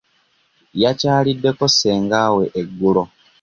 Yakyaliddeko ssengaawe eggulo.